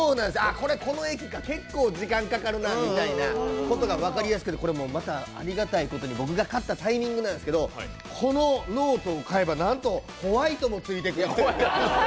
この駅か、結構、時間かかるなということが分かりやすくてこれ、またありがたいことに僕が買ったタイミングなんですけどこのノートを買えば、なんとホワイトもついてきます！